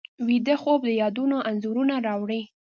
ویده خوب د یادونو انځورونه راوړي